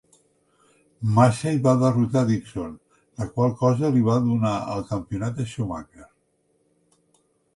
Massey va derrotar Dixon, la qual cosa li va donar el campionat a Schumacher.